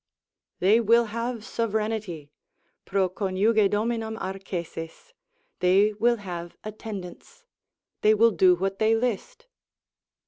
They will have sovereignty, pro conjuge dominam arcessis, they will have attendance, they will do what they list.